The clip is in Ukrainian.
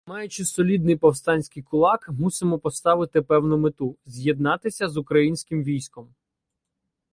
Маючи солідний повстанський кулак, мусимо поставити певну мету — з'єднатися з українським військом.